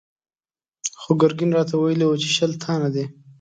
خو ګرګين راته ويلي و چې شل تنه دي.